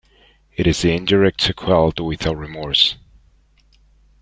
It is the indirect sequel to "Without Remorse".